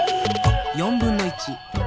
４分の１。